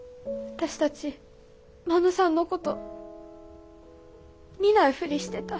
私たち真野さんのこと見ないふりしてた。